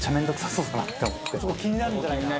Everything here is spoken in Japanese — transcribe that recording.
そこ気になるんじゃないかな。